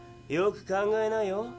よく考えなよ。